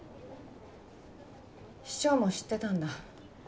師長も知ってたんだ。